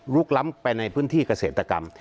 ล้ำไปในพื้นที่เกษตรกรรม